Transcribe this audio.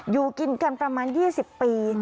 อยู่กินกันประมาณ๒๐ปี